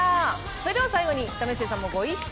それでは最後に為末さんもご一緒に。